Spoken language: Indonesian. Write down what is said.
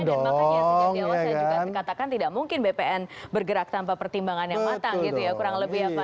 saya juga katakan tidak mungkin bpn bergerak tanpa pertimbangannya matang